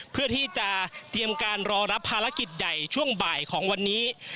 เพื่อที่จะเตรียมการรอรับภารกิจใหญ่ช่วงบ่ายของวันนี้